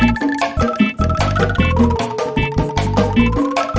eh emak emak salah